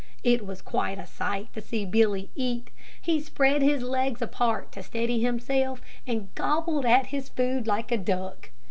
It was quite a sight to see Billy eat. He spread his legs apart to steady himself, and gobbled at his food like a duck.